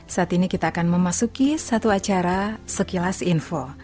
saat ini kita akan memasuki satu acara sekilas info